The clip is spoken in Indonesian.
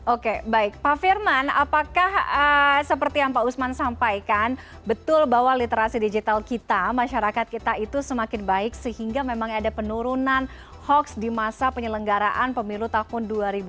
oke baik pak firman apakah seperti yang pak usman sampaikan betul bahwa literasi digital kita masyarakat kita itu semakin baik sehingga memang ada penurunan hoax di masa penyelenggaraan pemilu tahun dua ribu dua puluh